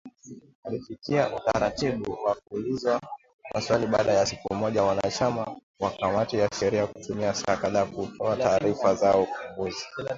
alifikia utaratibu wa kuulizwa maswali baada ya siku moja wanachama wa kamati ya sheria kutumia saa kadhaa kutoa taarifa zao ufunguzi